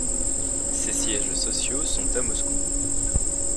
Ses sièges sociaux sont à Moscou.